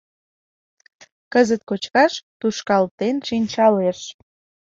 Кызыт кочкаш, тушкалтен шинчалеш.